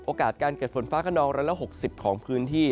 โอกาสการเกิดฝนฟ้ากระนองร้ายละ๖๐ของพื้นที่